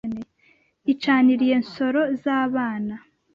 Icaniriye Nsoro zabana